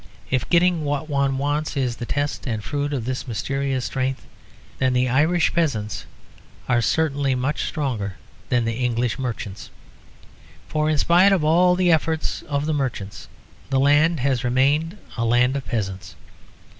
If getting what one wants is the test and fruit of this mysterious strength, then the Irish peasants are certainly much stronger than the English merchants; for in spite of all the efforts of the merchants, the land has remained a land of peasants.